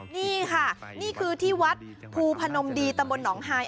นี่ค่ะนี่คือที่วัดภูพนมดีตมนต์ห้าย